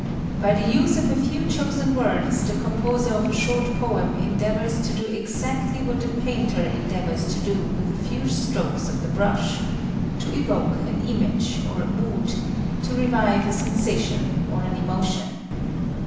By the use of a few chosen words the composer of a short poem endeavors to do exactly what the painter endeavors to do with a few strokes of the brush,—to evoke an image or a mood,—to revive a sensation or an emotion.